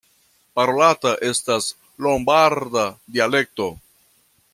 Parolata estas lombarda dialekto.